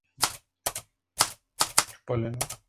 Maui es una isla formada por dos volcanes que se unen en un istmo.